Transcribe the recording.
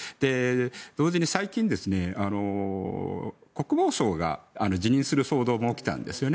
同時に最近、国防相が辞任する騒動も起きたんですね。